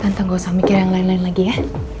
tante gak usah mikir yang lain lain lagi ya